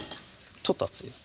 ちょっと熱いです